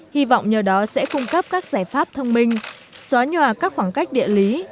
hy vọng nhờ đó sẽ cung cấp các giải pháp thông minh xóa nhòa các khoảng cách địa lý